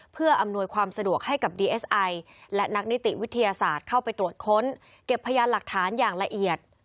เพื่ออำนวยความสะดวกให้กับดีเอสไอและนักนิติวิทยาศาสตร์เข้าไปตรวจค้นเก็บพยานหลักฐานอย่างละเอียด